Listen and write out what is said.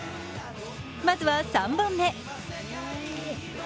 まずは３本目。